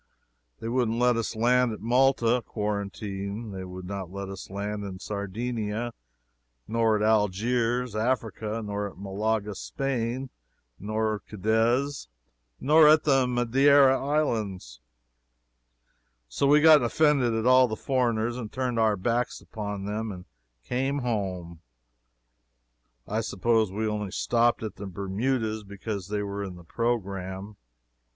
They wouldn't let us land at Malta quarantine; they would not let us land in Sardinia; nor at Algiers, Africa; nor at Malaga, Spain, nor Cadiz, nor at the Madeira islands. So we got offended at all foreigners and turned our backs upon them and came home. I suppose we only stopped at the Bermudas because they were in the programme.